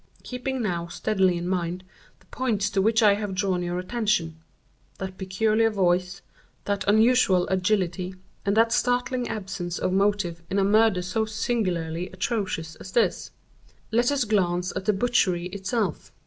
"Keeping now steadily in mind the points to which I have drawn your attention—that peculiar voice, that unusual agility, and that startling absence of motive in a murder so singularly atrocious as this—let us glance at the butchery itself.